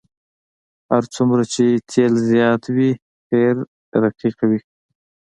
هر څومره چې تیل زیات وي قیر رقیق وي